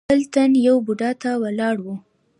بل تن يوه بوډا ته ولاړ و.